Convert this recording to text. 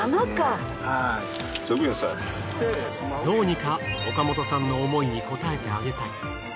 どうにか岡本さんの想いに応えてあげたい。